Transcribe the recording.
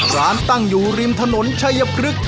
ร้านตั้งอยู่ริมถนนชายพฤษ